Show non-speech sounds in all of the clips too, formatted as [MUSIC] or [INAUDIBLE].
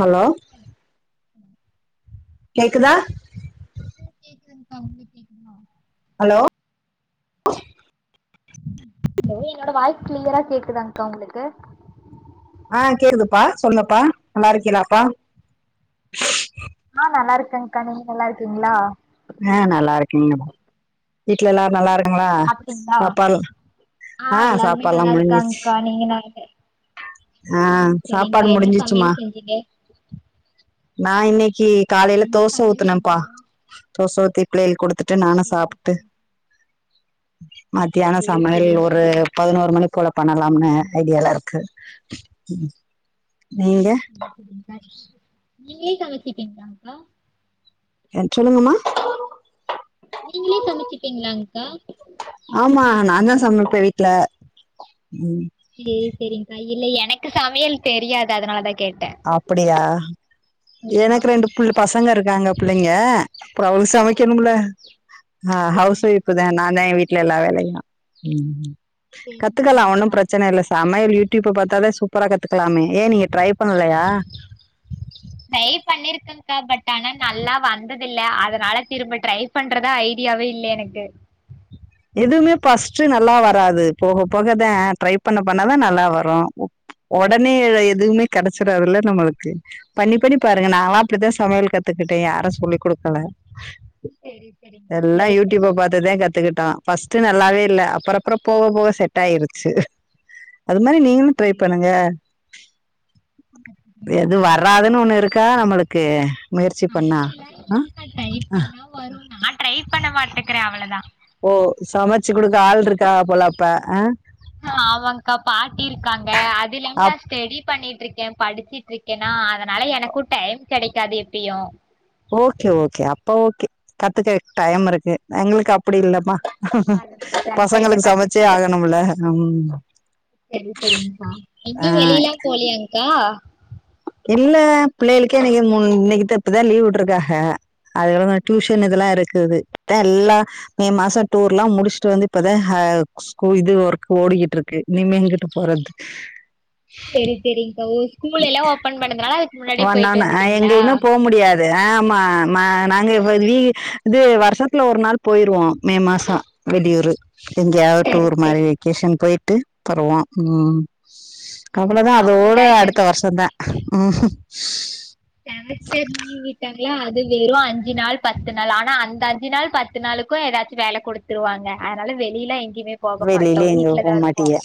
hello கேக்குதா கேக்கு இருக்கா உங்க கேக்குமா [UNINTELLIGIBLE] ஹலோ என்னோட வாய்ஸ் கிளியரா கேக்குதாக்கா உங்களுக்கு ஆ கேக்குதுப்பா சொல்லுப்பா நல்லா இருக்கிங்களாப்பா ஆ நல்லா இருக்கேன்க்கா நீங்க நல்லா இருக்கீங்களா ஆ நல்லா இருக்கீங்கே வீட்டுலல்லாரும் நல்ல இருக்கு சாப்ட்டீங்களா சாப்பா ஆ எல்லாருமே நல்லா சாப்பாடுள்ளாம் முடிச்சிருச்சி இருக்காங்க்கா நீங்க ந ஆ ம் சரிங்க்கா சாப்பாடு என்ன முடிஞ்சிச்சுமா சமையல் செஞ்சீங்க நான் இன்னைக்கி காலையில என்ன தோசை சமையல் ஊத்தினேன்ப்பா செஞ்சீங்க தோசை ஊத்தி புள்ளேயலுக்கு கொடுத்துட்டு நானு சேரி சாப்பு மத்தியான சேரி சமையல் சேரிங்க்கா ஒரு பதினோரு மணி போல பண்ணலாம்னு ஐடியாலா இருக்கு நீங்க [UNINTELLIGIBLE] உம் சொல்லுங்கம்மா நீங்களே சமைச்சிப்பீங்களா அக்கா ஆமா நான் தான் சமைப்பேன் வீட்டுல ம் சேரி சேரிக்கா இல்ல எனக்கு சமையல் தெரியாது அதனாலதான் அப்டியா ம் எனக்கு ரெண்டு புள்ள ஆமாங்க்கா பசங்க இருக்காங்க பிள்ளைங்க அப்புற அவங்களுக்கு ஓ சமைக்கனும்ல சேரி சேரி சேரி கவுஸ் ஓய்ஷ நான் தான் வீட்டுல எல்லாம் வேலையையும் சேரி கத்துக்கலாம் ஒன்னும் சேரிங்க்கா பிரச்சனை இல்லை சமையல் யூடியூப் பார்த்தாதே சூப்பரா கத்துக்கலாமே ஏன் நீங்க ட்ரை பண்ணலையா பிரைப் பண் பண்ணிருக்கேகா பட் ஆனா நல்லா வந்ததில் அதனால திரும்ப ட்ரை பண்றதா ஐடியாவே இல்ல எனக்கு எதுவுமே ஃப்ஸ்ட் நல்லா வராது போக போகதான் ட்ரை பண்ண பண்ணாதான் நல்லா வரும் உடனே எதுவுமே கிடைச்சிறாதுல நம்மளுக்கு பண்ணி பண்ணி பாருங்க நான அப்படித்தான் சமையல் கத்துக்கிட்டேன் யாரும் சொல்லிக் கொடுக்கல செரி செரிங்க ட்ரை எல்லாம் யூடியூப் பண்ற பார்த்துதான் கத்துக்கிட்டா ஃப்பஸ்ட் நல்லாவே இல்ல அப்புற அப்புறம் போக போக செட் ஆயிருச்சு அது மாரி ம் நீங்களும் ட்ரை பண்ணுங்க செரிங்க்கா கத்துக்குறே எது கத்துக்குறேங்க்கா வராதுன்னு ஒண்ணு இருக்கா நம்மளுக்கு முயற்சி பண்ணா அப்டி இல்லகா ஆ நான் ட்ரை பண்ண மாட்டேக்கிறேன் அவ்வளதான் ஓ சமைச்சு குடுக்க ஆள் இருக்கா போல அப்ப ஆ ஆ அமாக்கா பாட்டி இருக்காங்க அதுலேது அப் தெடி பண்ணிட்டு இருக்கேன் படிச்சிட்டு இருக்கேன்னா அதனால எனக்கும் டைம் கிடைக்காது எப்பயும் ஓகே ஓகே அப்ப ஓகே கத்துக்க டைம் இருக்கு எங்களுக்கு அப்படி இல்லமா அதனாலதாங்க்கா இன்னு பசங்களுக்கு சமைச்சே ஆகணும்ல ம் சேரி சேரிகா ஆ எங்கயும் வெளிய லாம் போலியேக்கா இல்ல பிள்ளைகளுக்கே இன்னைக்கு இன்னைக்கு மூன் இப்பதான் லீவ் விட்டுருக்காங்க அதுல்லாம் டியூஷன் இதெல்லாம் இருக்குது எல்லா மே மாசம் டூர் எல்லாம் முடிச்சுட்டு வந்து இப்பதான்ஹ இது ஒர்க ஓடிக்கிட்டு இருக்கு இனிமேங்கிட்டு போறது சேரி சேரிகா ஸ்கூல எல்லாம் ஓபன் பண்ணதுனால ஒ முன்னாடியே போயிட்டு நான வந்துட்டீங்களா எங்களுக்கு போக முடியாது ஆமா நாங்க இது வருஷத்துல ஒரு நாள் போயிருவோம் மே மாசம் வெளியூர் எங்கயாவது செரி டூர் மாரி செரிங்க்கா வெக்கேஷன் போயிட்டு வருவேம் ம் அவ்வளோதான் எனக்குலா அதோட அப்டிலா இல்ல அடுத்த வருஷம் தான் ம் யனேக்டே நீ வீட்டாக அது வெறும் அஞ்சு நாள் பத்து நாள் ஆனா அந்த அஞ்சு நாள் பத்து நாளுக்கும் ஏதாச்சும் வேலை கொடுத்து ருவாங்க அதனால வெளியில எங்கயுமே வெளியில எங்கயும் போகமாட்டிய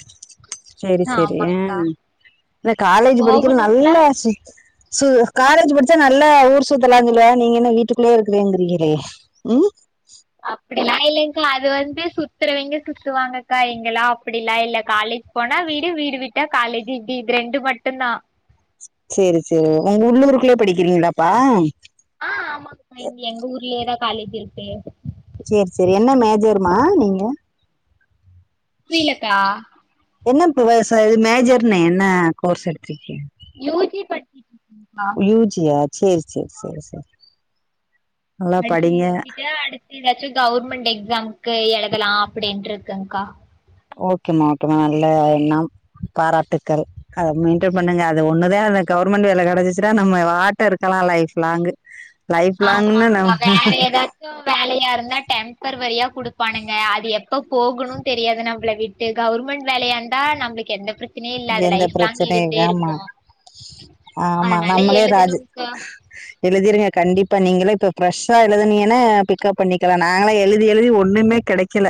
சேரி சேரி ஆமாங்க்கா ம் இந்த காலேஜ் படிக்கிற நல்ல போகணும்லா ஆசை சு காலேஜ் படிச்சா நல்லா ஊர் சுத்தலாம்ங நீங்க என்ன வீட்டுக்குள்ளே இருக்குறீங்கிறீங்களே ம் அப்டிலாம் இல்லைக்கா அது வந்து சுத்துறவங்க சுத்துவாங்கக்கா எங்கெல்லாம் அப்டிலாம் இல்ல காலேஜ் போனா வீடு வீடு விட்டா காலேஜ் இடி இது ரெண்டு மட்டும்தான் சேரி சேரி உங்க உள்ளூருக்குள்ளே படிக்கிறீங்களாப்பா ஆஹ் ஆமாகா இங்க எங்க ஊர்லே தான் காலேஜ் இருக்கு சேர் சேரி என்ன மேஜருமா நீங்க புரிலகா என்ன இ இ மேஜர்னு என்ன கோர்ஸ் எடுடுத்திருக்கே யு ஜி படிச்சிட் ஆ யூ ஜியா சேரி சேரி சேரி சேரி படிச்சு முடிச்சுட்டு அடுத்து ஏதாச்சு கவுர்மெண்ட் எக்ஸாமுக்கு எழுதலா அப்டின்டு இருக்கேங்கா ஓகேமா ஓகேமா நல்ல எண்ணம் பாராட்டுக்கள் அத மெயின்டைன் பண்ணுங்க அது ஒன்னுதா அந்த கவர்மெண்ட் வேல கெடச்சுச்னா நம்ம வாட்டு இருக்லா லைஃப் லாங்கு ஆமாகா வேற எதா கு வேலையா இருந்தா டெம்பர்வரியா குடுப்பானுங்க அது எப்ப போகணுன் தெரியாது நம்ள விட் டு கவர்மெண்ட் வேலயா இருந்தா நம்ளுக்கு எந்த பிரச் எந்த பிரச்சனை யாமா ஆமா அதனால நம்மளே ராஜி எழுதணுங்க்கா எழுதிருங்க கண்டிப்பா நீங்களே இப்ப பிரெஷ்ஷா எழுதுனீங்கன்னா பிக்கப் பண்ணிக்கலா நாங்கள்லா எழுதி எழுதி ஒன்னுமே கெடைக்கல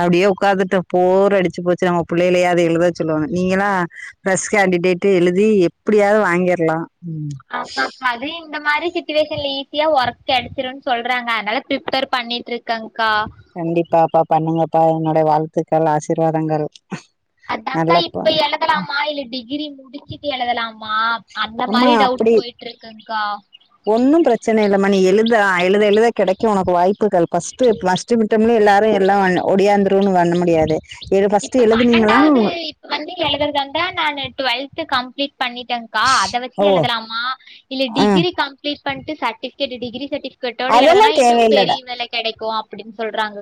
அப்டியே உக்காந்துட்டோ போர் அடிச்சு போச்சு நம்ம புள்ளைலையாவது எழுத சொல்லோணு நீங்களா பிரெஷ் கேண்டிடேட்டு எழுதி எப்டியாவது வாங்கிர்லா ம் ஆமாக்கா அது இந்த மாறி சிட்டுவேஷன்ல ஈஸியா ஒர்க் கெடைச்சிருன் சொல்றாங்க அனால பிரிப்பேர் பண்ணிட் இருக்கேங்கா கண்டிப்பா அப்பா பண்ணுங்கப்பா என்னோடய வாழ்த்துக்கள் ஆசிர்வாதங்கள் அதங்க்கா இப்ப எழுதலாமா இல்ல டிகிரி முடிச்சிட்டு எழுதலாம் மா அந்த அம்மா மாரி டவுட்ஸ் அப்டி போயிட்டு இருக்குங்கா ஒன்னு பிரச்சன இல்ல மா நீ எழுத எழுத எழுத கெடைக்கு உனக்கு வாய்ப்புகள் ஃபஸ்டு ப்ளஸ் ஃபஸ்ட்டு மிட்டம்ல எல்லாரு எல்லா ஒடியாந்துருன்னு வண்ண முடியாது எது ஃபர்ஸ்ட் இப்ப எழுதுனீங்களா பன்னெண்டாவது இப்ப வந்து எழுதுறதா இருந்தா நானு டுவல்த் கம்ப்ளீட் பண்ணிட்டே கா அத வச்சு ஓ எழுதலாமா இல்ல ஆ டிகிரி கம்ப்ளீட் பண்ட்டு சர்டிபிகேட் டிகிரி சர்டி கேட்டோட அதெல்லா எழுதுனா இன்னு தேவையில்ல பெரிய வேல கெடைக்கு அப்டின் சொல்றாங்க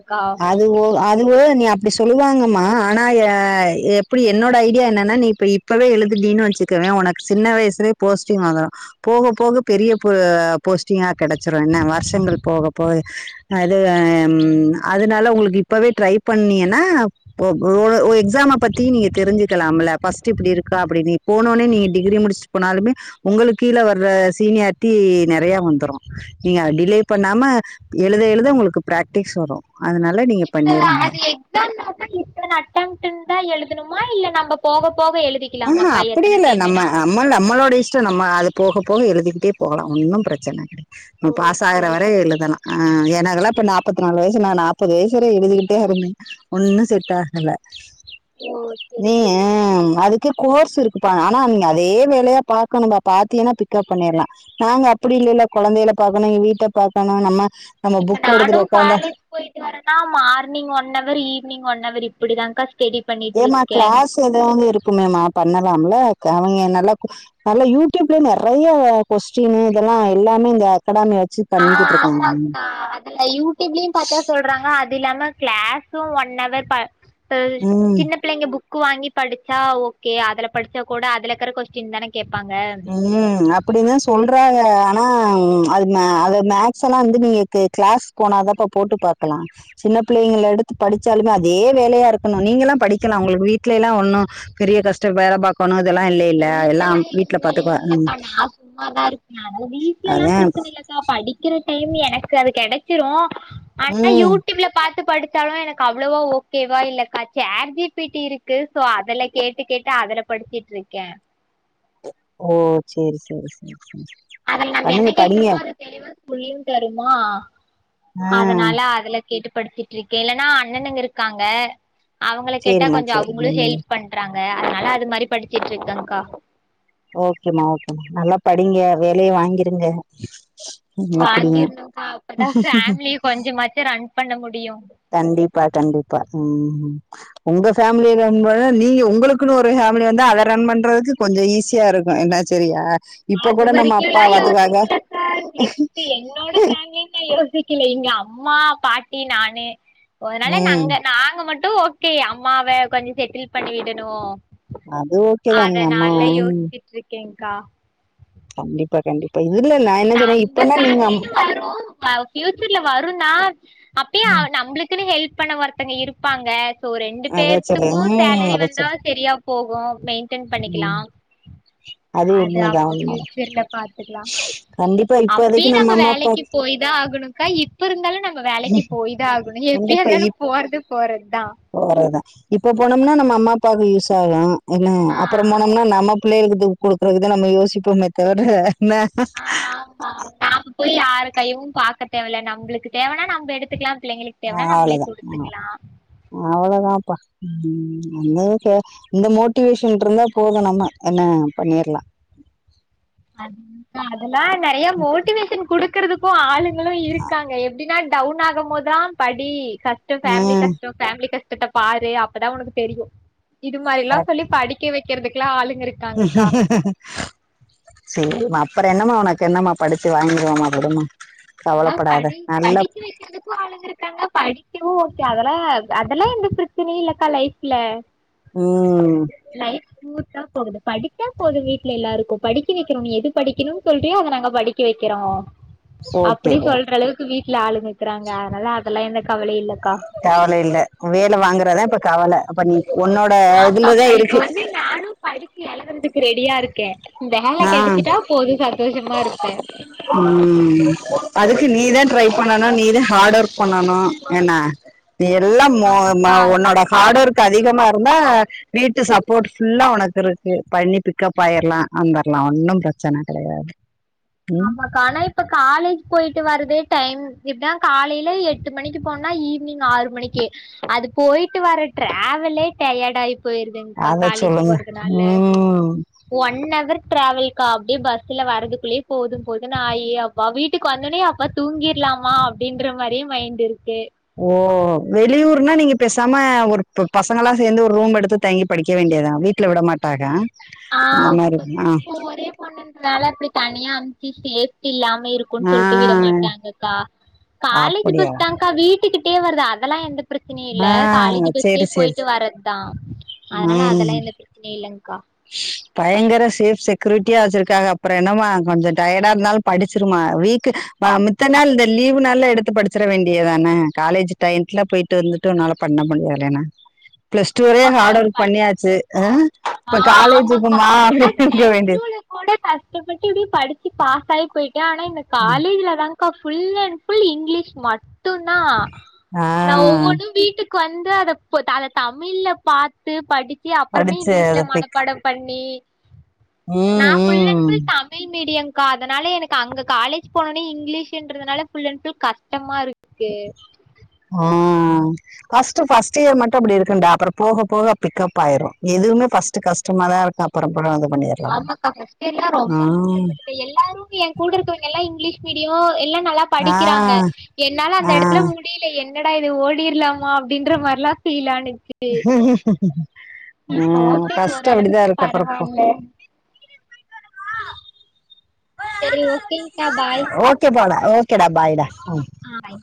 அது ஒ அதுவோ நீ அப்டி சொல்லுவாங்கம்மா ஆனா எ எப்டி என்னோட ஐடியா என்னன்னா நீ இப்ப இ இப்பவே எழுதுடின்னு வச்சுக்கவே உனக்கு சின்ன வயசுலே போஸ்டிங் வாங்கலா போக போக பெரிய பொ போஸ்ட்டிங்கா கெடச்சிரு என்ன வருஷங்கள் போக போக அது ம் அதனால உங்ளுக்கு இப்பவே ட்ரை பண்ணியன்னா ஓ ஒரு ஒரு ஓ எக்ஸாம பத்தி நீங்க தெரிஞ்சுகலாம்ல ஃபர்ஸ்ட் இப்டி இருக்கா அப்டினி போனோனே நீ டிகிரி முடிச் போனாலுமே உங்களுக் கீழே வர்ற சீனியாரிட்டி நெறய வந்துரு நீங்க டிலே பண்ணாம எழுத எழுத உங்ளுக்கு பிராக்டிஸ் வரு அதனால நீங்க இப்ப பண்ணிருங்க [UNINTELLIGIBLE] இத்தன அட்டம்டுனு தா எழுதணுமா இல்ல நம்ம போக போக எழுதி அஹ அப்டி இல்ல நம்ம நம்ம நம்மளோட இஷ்டோ நம்ம அது போக போக எழுதிகிட்டே போகலா ஒன்னு பிரச்சன இல்ல நம்ம ஓ பாசாகுற சரி வர சரி எழுதலா ஆ எனகுல்லா இப்ப நாப்பத்நாலு வயசு நா நாப்பது வயசு வர எழுதிகிட்டே இருந்தே ஒன்னு செட்டாகல ஓ சரி நீயு சரி அது கு கோர்ஸ் இருக்குப்பா ஆனா நீங்க அதே வேலையா பாக்கணும்பா பாத்தியென்னா பிக்கப் பண்ணிர்லா நாங்க அப்படி இல்லைல்ல கொழந்தையில பாக்கணு எங்க வீட்ட பாக்கணு நம்ம நம்ம புக் எடுத்துட்டு உக்காந்தா ஒரு நா morning one hour evening one hour இப்டிதான்கா ஸ்டெடி பண்ணிட்டு ஏமா இருக்கே கிளாஸ் ஏதா இருக்குமேமா பண்ணலாம்ல க அவிங்க நல்லா நல்லா யூடியூப்ல நெறைய கொஸ்டினு இதெல்லா எல்லாமே இந்த அகாடமிய வச்சு ஆ பண்ணிக்கிட்டு இருக்காங்க ஆமாக்கா அதுல யூடியூப்லயு பாத்தா சொல் றாங்க அது இல்லாம கிளாஸூ ஒன் அவர் ப பு ம் சின்ன பிள்ளைங்க புக்கு வாங்கி படிச்சா ஓகே அதுல படிச்சா கூட அதுலக்கிற கொஸ்டீன் தான கேப்பாங்க ம் அ அப்டி தா சொல்றாக ஆனா அது மே அது மேக்ஸலா வந்து நீங்க கி கிளாஸ் போனாதாப்பா போட்டு பாக்கலா சின்ன பிள்ளைங்கள எடுத்து படிச்சாலுமே அதே வேலயாருக்கனு நீங்கெலா படிக்கலா உங்ளுக்கு வீட்லேலா ஒன்னு பெரிய கஷ்டோ வேல பாக்கனு அதலா இல்லேல்ல எல்லாம் வீ எது வேலை இல்லக்கா நா சும்மாதாருக்கே அது வீட்லலா அதா பிரச்சன இல்லக்கா படிக்கிற டைம் எனக்கு அது கெடச்சிரு ஆனா ம் யூடியூப்ல பாத்து படி ச்சாளு எனக்கு அவ்ளவா ஓகேவா இல்லக்கா சாட் ஜி பி டி இருக்கு ஸோ அதல கேட்டுக்கேட்டு அதல படிச்சிட்ருக்கே ஓ சேரி சேரி சேரி சேரி அதுல நம்ம என்ன பண்ணுங்க படிங்க கேக்குறமோ அது தெளிவா சொல்லியுத்தருமா ஆ அ தனால அதுல கேட்டு படிச்சிட்ருக்கே இல்லனா அண்ணனுங்கருக்காங்க அவங்கள கேட்டா சேரிம்மா கொஞ்சோ சேரி அவுங்ளு ம் ஹெல்ப் பண்றாங்க அதனால அது மாரி படிச்சிட்ருக்கன்க்கா ஓகேமா ஓகேமா நல்லா படிங்க வேலயு வாங்கிருங்க எப்டியு வாங்கிர்னுக்கா அப்பதா ஃபேமிலி கொஞ்சமாச்சு ரன் பண்ண முடியு கண்டிப்பா கண்டிப்பா ம் உம் ஒங்க ஃபேமிலிய ரன் பண்ண நீங்க உங்களுக்குனு ஒரு ஃபேமிலி வந்தா அத ரன் பண்றதுக்கு கொஞ்சோ ஈஸியாருக்கு என்ன சேரியா அது வரைக்கிலா யோசிக்லக்கா நெக்ஸ்ட்டு என்னோட ஃபேமிலின் நா யோசி க்கில இங்க அம்மா பாட்டி நானு அதனால ம் நங்க நாங்க மட் டு ஓகே அம்மாவ கொஞ்சொ செட்டில் பண்ணிவிடனு அது ஓகேதா நீங்க அம்மா அதனால ம் யோச்சிட்ருக்கேக்கா கண்டிப்பா கண்டிப்பா இதுல நா என்ன சொன்னே அந்த இப்பனா நீங்க அம் ஃபேமிலினு வரு வ பியூச்சர்ல வருந்தா அப்பயு அ ம் நம்ளுக் குனு ஹெல்ப் பண்ண ஒருத்தங்க இருப்பாங்க ஸோ ரெண்டு அதா சொல்றே பேத்துக்கு ம் சேலரி அதா வந்தா சொல்றே செரியா போகு மெயிண்டெய்ன் பண்ணிக்கலா ம் அது உண்மதா அப்ப உண்மதா ஃபியூச்சர்ல பாத்துக்லா கண்டிப்பா இப்போதைக்கு அப்பியு நம்ம நம்ப அம்மா அப்பா வேலைக்கி போய் தா ஆகனுக்கா இ ப்பருந்தாலு நம்ப வேலைக்கி போய்தா ஆகனு எப்பயாந்தாலு போறது போறத்தா போறதா இப்போ போனோம்னா நம்ம அம்மா அப்பாக்கு யூஸ் ஆகு என்ன ஆ அப்றோ போனம்னா நம்ம பிள்ளைளுக்கு தூக் குடுக்குறதுக்கு தா நம்ம யோசிப்போமே தவர என்ன ஆ ஆமாமா போய் யாரு கையவு பாக்க தேவல்ல நம்ளுக்கு தேவனா நம்ப எடுத்துக்லா பிள்ளைங்களுக் அவ்ளதா அவ்ளதாப்பா [UNINTELLIGIBLE] இந்த மோட்டிவேஷன்ட்ருந்தா போது நம்ம என்ன பண்ணிர்லா அத் அதல்லா நறைய மோட்டிவேஷன் குடு க்கிறதுக்கு ஆளுங்களு இருக்காங்க எப்டினா டவுன் ஆகம்போதா படி கஷ்டொ ஃபேமிலி ம் கஷ்டொ ஃபேமிலி கஷ்டத்த பாரு அப்தா ஒனக்கு தெரியு இது மாரில்லா சொல்லி படிக்க வெக்கிறதுக்கலா ஆளுங்கரு சேரிமா அப்றோ என்னமா ஒனக்கு என்னமா படிச்சு வாங்கிருவோமா விடுமா நல்லா கவலப்படாத படி நல்லா படிக்க வெக்கற்துக்கு ஆளுங்கருக்காங்க நா படிக்கவு ஓகே அதலா அதல்லா எந்த பிரச்சனயு இல்லக்கா லைஃப்ல ம் லைட் ஸ்மூத்தா போகுது படிச்சா போதூ வீட்ல எல்லாருக்கோ படிக்க வெக்கிறோ நீ எது படிக்கணூ சொல்றியோ அத நாங்க படிக் க வைக்கிறோ ஓகே அப்டி ஓகே சொல்ற அளவுக்கு வீட்ல ஆளுங்க ‌இருக்கிறாங்க அதனால அதெல்லா எந்த கவலை இல்லக்கா கவல இல்ல வேல வாங்குறதா இப்ப கவல அப்ப நீ உன்னோட இதுலதா இருக்கு நானூ படிச்சி எழுதர்த்துக்கு ரெடியா இருக்கே வேல ஆ கிடைச்சட்டா போதும் சந்தோஷமா இருப்பே ம் அதுக்கு நீதான் ட்ரை பண்ணனூ நீதா ஹாட் ஒர்க் பண்ணனூ என்ன எல்லாம் மொ ம ஆமாக்கா அதுவு உன்னோட ஹார்ட் ஒர்க் கரெக்ட் அதிகமா இருந்தா வீட்டு சப்போர்ட் ஃபுல்லா உனக்கு இருக்கூ பண்ணி பிக்கப் ஆயிர்லா வந்துர்லா ஒன்னூ பிரச்சன கிடையாது ஆமாக் ஆனா இப்ப காலேஜ் போயிட்டு வரதே டைம் இப்தா காலையில எட்டு மணிக்கு போன்னா ஈவினிங் ஆறு மணிக்கு அது போயிட்டு வர ட்டிரவலே டயர்ட் ஆயிப் அதா சொல்லுங்க ம் ஒன்னவர் டிராவல்கா அப்டியே பஸ்ல வரறதுக்குள்ளியே போதும் போதுன்னு ஆயி அப்பா வீட்டுக்கு வந்துட்னே அப்பா தூங்கிர்லாமா அப்டின்ற மாரியே மைண்ட் இருக்கு ஓ வெளியூர்னா நீங்க பேசாம ஒரு ப் பசங்களா சேர்ந்து ஒரு ரூம் எடுத்து தங்கி படிக்க வேண்டியத்தான வீட் ல விட மாட்டாக ஆ அந்த மாரி இப்ப ஆ ஓரோ பொண்ணுன்றதால இப்டி தனியா அனுப்பி சேஃப்டி இல்லாம இருக் கோ ஆ சொல்லிட்டு விடமாட்டாங்கக்கா காலேஜ் அப்படியா பஸ்தாங்கா வீட்டுக்கிட்டே வருது அதெல்லா எந்தப் பிரச்சன இல்ல ஆ காலேஜ் பஸ்லியே சேரி சேரி போயிட்டு வர்றத் தா அதனால ம் அதெல்லாம் எந்த பிரச் பனை இல்லங்கா பயங்கர சேஃப் செக்ரூட் டியா வச்சிருக்காக அப்புறோ என்னமா கொஞ்சோ டயர்டா இருந்தாலூ படிச்சிருமா வீக் ஆ மித் தனாள் இந்த லீவ்னால எடுத்து படிச்சிட வேண்டியதான்னே காலேஜ் டையத்துல போயிட்டு வந்துட்டு உன்னால பண்ண முடியலைன்னா பிளஸ் டூ வரேயே ஆமாக்கா ஹார்ட் ஒர்க் படி பண்ணியாச்சு இஹ் ஆ இப்ப காலேஜுக்குமா அப்படின்னு இருக்க வேண்டியத் அப்பக்கூட கஷ்டப்பட்டு எப்டியே படிச்சு பாஸ் ஆகி போயிட்டே ஆனா இந்த காலேஜ்ல தாங் க்கா ஃபுல் அண் ஃபுல் இங்கிலீஷ் மட்டுந்தா ஆ நா ஒவ்வொன்னூ வீட்டுக்கு வந்து அதப் அத தமிழ்ல பாத்து படிச் சி அப்புறமே படிச்சு இங்கிலீஷ்ல அதை பிக் மனப்பாடோ பண்ணி நான் ஃபுல் அண்ட் ம் ஃபுல் தமிழ் மீடியம் கா அதனால எனக்கு அங்க காலேஜ் போனோட்னே இங்கிலீஷ்ன்றதுனால ஃபுல் அண்ட் ஃபுல் கஷ்டமா இருக்கு ஆ ஃபர்ஸ்ட் ஃபர்ஸ்ட் இயர் மட்டூ அப்டி இருக்குண்டா அப்புறோ போக போக பிக் அப் ஆயிரும் எதுவுவ்மே ஃபர்ஸ்ட் கஸ்டமா தா இருக்கோ பரம்பர ‌அதப் பண்ணியா ஆமாக்கா ஃபர்ஸ்ட் யர்ல ரொம்ப தா கஷ்டபடுத் இப்ப எல்லாரூம் எங் கூட இருக்கவங்க எல்லாம் இங்கிலீஷ் மீடியம் எல்லா நல்லாப் படிக்கிறாங்க ஆ என்னால அந்த எடத்துல ஆ மு டியல என்னடா இது ஓடிர்லாமா அப்படின்ற மாரில்லா ஃபீல் ஆனுச்சு இப்ப ஆஹ் ஓகே ஃபர்ஸ்ட் அப்படிதா ஓரளவுக்கு இருக்கோ அப்புறப்போ பரவால்ல செரி ஓகேங்க்கா பாய் ஓகே போனா ஓகேடா பாய் டா ஆய்